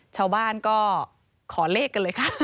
ชาวบ้านก็ขอเลขกันเลยค่ะ